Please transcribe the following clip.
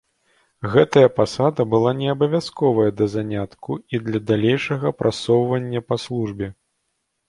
Гэтая пасада была не абавязковая да занятку і для далейшага прасоўвання па службе.